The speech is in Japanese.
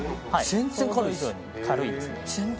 全然軽いですね